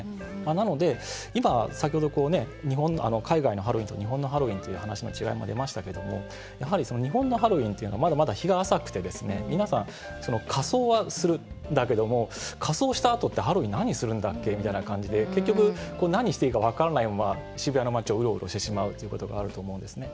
なので、先ほど海外のハロウィーンと日本のハロウィーンという話の違いも出ましたけども日本のハロウィーンというのはまだまだ日が浅くて皆さん仮装はするんだけれども仮装したあとって、ハロウィーン何するんだっけみたいな感じで結局、何していいか分からないまま、渋谷の街をうろうろしてしまうということがあると思うんですね。